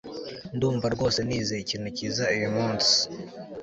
Ndumva rwose nize ikintu cyiza uyumunsi